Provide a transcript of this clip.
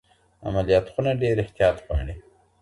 عملیات خونه ډېر احتیاط غواړي.